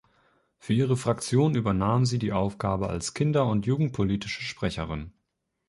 Für ihre Fraktion übernahm sie die Aufgabe als Kinder- und Jugendpolitische Sprecherin.